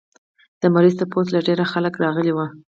د مريض تپوس له ډېر خلق راغلي وو